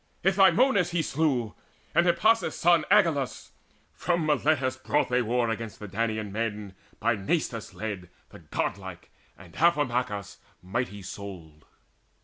Itymoneus he slew, and Hippasus' son Agelaus: from Miletus brought they war Against the Danaan men by Nastes led, The god like, and Amphimachus mighty souled.